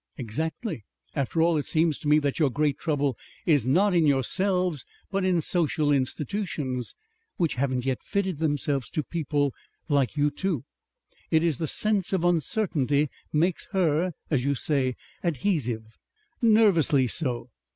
"Exactly.... After all it seems to me that your great trouble is not in yourselves but in social institutions. Which haven't yet fitted themselves to people like you two. It is the sense of uncertainty makes her, as you say, adhesive. Nervously so.